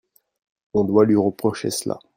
on doit lui reprocher cela.